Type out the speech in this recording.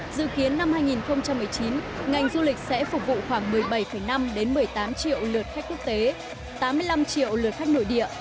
dự kiến năm hai nghìn một mươi chín ngành du lịch sẽ phục vụ khoảng một mươi bảy năm một mươi tám triệu lượt khách quốc tế tám mươi năm triệu lượt khách nội địa